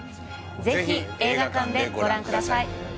ぜひ映画館でご覧ください